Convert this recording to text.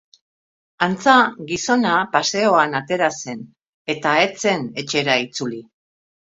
Antza, gizona paseoan atera zen, eta ez zen etxera itzuli.